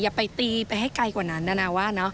อย่าไปตีไปให้ไกลกว่านานาว่า